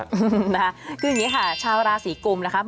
คืออย่างนี้ค่ะชาวราศีกุมนะคะ